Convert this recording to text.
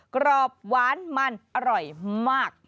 กรอบหวานมันอร่อยมาก